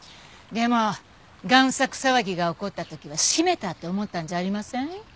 でも贋作騒ぎが起こった時はしめたって思ったんじゃありません？